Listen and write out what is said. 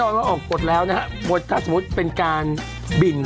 แน่นอนว่าออกกฎแล้วนะครับถ้าสมมติเป็นการบิ่น